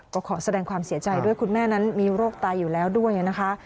ก็ขอแสดงความเสียใจด้วยคุณแม่นั้นมีโรคตายอยู่แล้วด้วยนะคะ